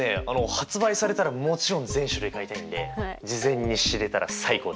発売されたらもちろん全種類買いたいんで事前に知れたら最高です。